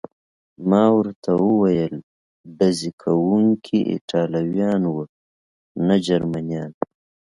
ما ورته وویل: ډزې کوونکي ایټالویان و، نه جرمنیان.